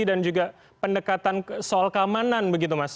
dan juga pendekatan soal keamanan begitu mas